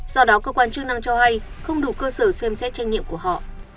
do đó cơ quan chức năng cho hay không đủ cơ sở xem xét trách nhiệm của họ